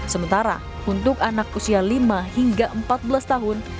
sementara untuk anak usia lima hingga empat belas tahun